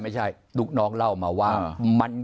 ไม่ใช่ลูกน้องเล่ามาว่า